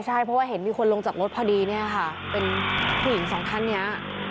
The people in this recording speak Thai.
ใช่เพราะว่าเห็นมีคนลงจากรถพอดีเนี่ยค่ะเป็นผู้หญิงสองท่านนี้